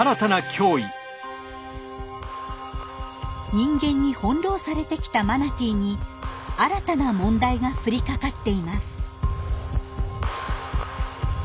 人間に翻弄されてきたマナティーに新たな問題が降りかかっています。